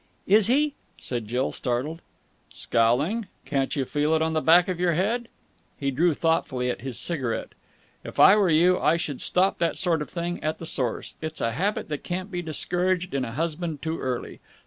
"Is he?" said Jill startled. "Scowling? Can't you feel it on the back of your head?" He drew thoughtfully at his cigarette. "If I were you I should stop that sort of thing at the source. It's a habit that can't be discouraged in a husband too early.